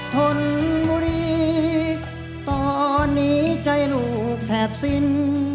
ทนบุรีตอนนี้ใจลูกแทบสิ้น